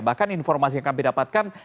bahkan informasi yang kami dapatkan